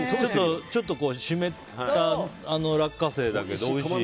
ちょっと湿った落花生だけどおいしい。